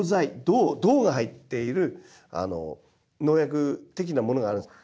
銅が入っている農薬的なものがあるんです。